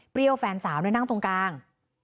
เปรี้ยวแฟนสาวนั่นนั่งตรงกลาง